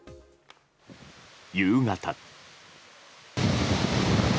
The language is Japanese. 夕方。